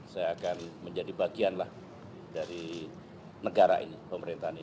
saya akan menjadi bagian lah dari negara ini pemerintahan ini